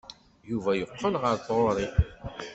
Yuba yeqqel ɣer tɣuri.